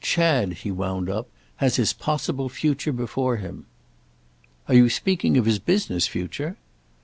Chad," he wound up, "has his possible future before him." "Are you speaking of his business future?"